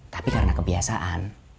tapi karena kebiasaan